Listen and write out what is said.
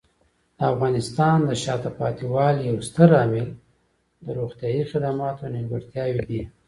د افغانستان د شاته پاتې والي یو ستر عامل د روغتیايي خدماتو نیمګړتیاوې دي.